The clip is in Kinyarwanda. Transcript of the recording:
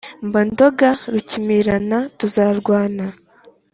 mba ndoga rukimirana tuzarwana